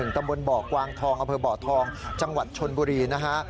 ตำบลเบาะกวางทองอเบาะทองจังหวัดชนบุรีนะฮะ